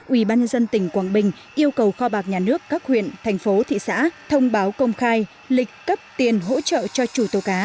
ubnd tỉnh quảng bình yêu cầu kho bạc nhà nước các huyện thành phố thị xã thông báo công khai lịch cấp tiền hỗ trợ cho chủ tàu cá